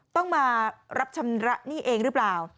ต้องมารับชำระหนี้เองหรือเปล่า